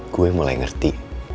gue mulai ngerti